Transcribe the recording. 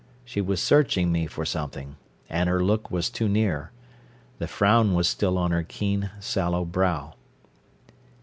She was searching me for something and her look was too near. The frown was still on her keen, sallow brow.